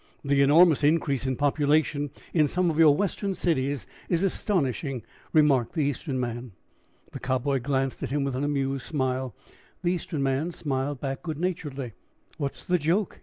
"The enormous increase in population in some of your Western cities is astonishing," remarked the Eastern man. The Cowboy glanced at him with an amused smile. The Eastern man smiled back good naturedly. "What's the joke?"